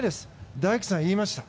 大輝さん、言いました。